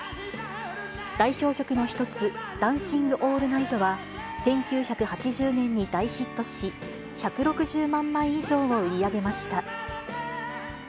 代表曲の一つ、ダンシング・オールナイトは、１９８０年に大ヒットし、１６０万枚以上を売り上げました。